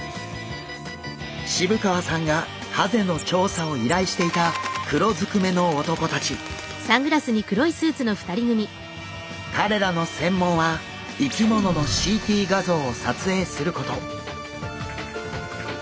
渋川さんがハゼの調査を依頼していた彼らの専門は生き物のＣＴ画像を撮影すること。